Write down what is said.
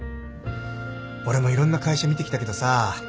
俺もいろんな会社見てきたけどさ